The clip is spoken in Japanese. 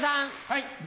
はい。